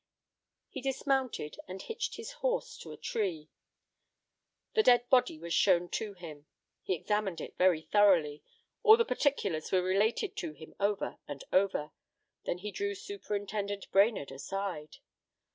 He dismounted and hitched his horse to a tree. The dead body was shown to him. He examined it very thoroughly. All the particulars were related to him over and over. Then he drew Superintendent Brainerd aside.